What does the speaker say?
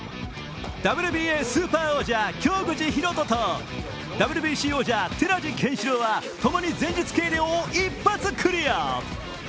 ＷＢＡスーパー王者京口紘人とＷＢＣ王者・寺地拳四朗は共に前日計量を一発クリア。